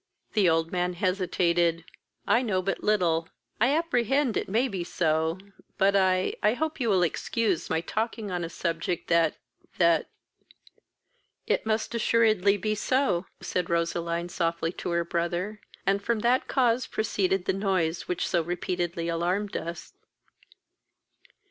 The old man hesitated. "I know but little I apprehend it may be so, but I I hope you will excuse my talking on a subject that that " "It must assuredly be so, (said Roseline softly to her brother,) and from that cause proceeded the noises which so repeatedly alarmed us."